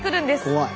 怖い。